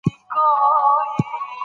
یو ماموریت د خطر کمولو لپاره پلان شوی.